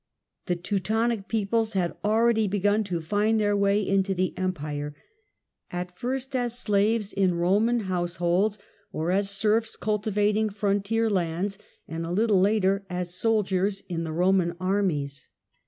The Teutonic peoples had already begun to find their way into the Empire, at first as slaves in Roman households, or as serfs cultivating frontier lands, and a little later as soldiers in the Roman armies.